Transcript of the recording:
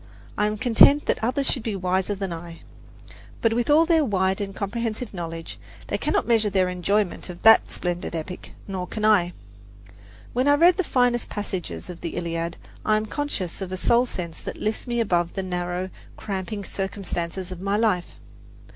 I am content that others should be wiser than I. But with all their wide and comprehensive knowledge, they cannot measure their enjoyment of that splendid epic, nor can I. When I read the finest passages of the Iliad, I am conscious of a soul sense that lifts me above the narrow, cramping circumstances of my life.